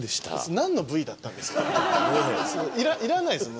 何のＶだったんですか？